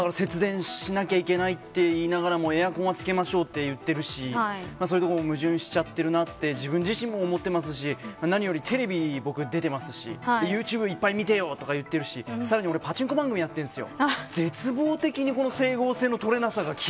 節電しなければいけないと言いながらもエアコンはつけましょうって言っているしそういうところも矛盾しちゃってるなって自分自身も思っていますし何よりテレビ出ていますしユーチューブ、いっぱい見てよと言っていますし、さらに僕パチンコ番組やっているんですよ。